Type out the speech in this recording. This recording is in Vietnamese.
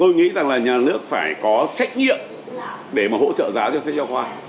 tôi nghĩ rằng là nhà nước phải có trách nhiệm để mà hỗ trợ giá cho sách giáo khoa